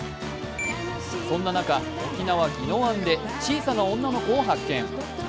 そんな中、沖縄・宜野湾で小さな女の子を発見。